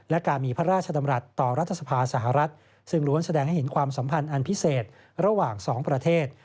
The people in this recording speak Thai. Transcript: และการมีพระราชดำรัฐต่อรัฐสภาสหรัฐซึ่งล้วนแสดงให้เห็นความสัมพันธ์อันพิเศษระหว่างสองประเทศ